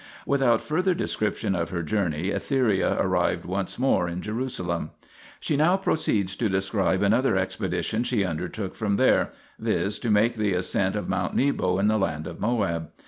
Without further description of her journey Etheria arrived once more in Jerusalem. She now proceeds to describe another expedition she undertook from there, viz. to make the ascent of Mount Nebo in the land of Moab.